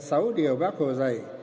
sáu điều bác hồ dạy